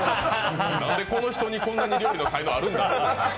なんでこの人に、こんなに料理の才能あるんだと。